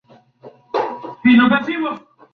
Asociación de Estudios del Mar.